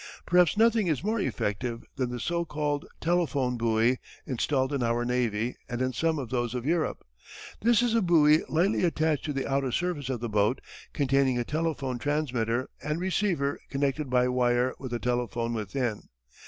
Perhaps nothing is more effective than the so called telephone buoy installed in our Navy and in some of those of Europe. This is a buoy lightly attached to the outer surface of the boat, containing a telephone transmitter and receiver connected by wire with a telephone within.